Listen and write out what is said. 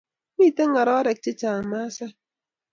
Miten ngararek che chang maasai